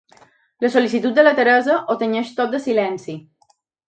La solitud de la Teresa ho tenyeix tot de silenci.